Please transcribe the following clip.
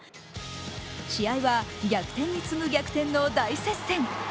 試合は逆転に次ぐ逆転の大接戦。